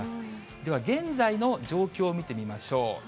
では、現在の状況を見てみましょう。